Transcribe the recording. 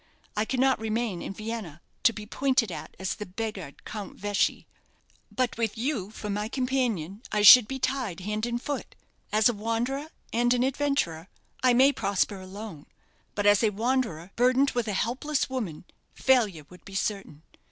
I cannot remain in Vienna, to be pointed at as the beggared Count Veschi. But with you for my companion I should be tied hand and foot. As a wanderer and an adventurer, I may prosper alone; but as a wanderer, burdened with a helpless woman, failure would be certain.